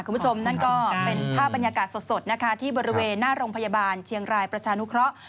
คุณผู้ชมนั่นก็เป็นภาพบรรยากาศสดนะคะที่บริเวณหน้าโรงพยาบาลเชียงรายประชานุเคราะห์